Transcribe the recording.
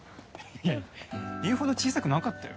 いや言うほど小さくなかったよ。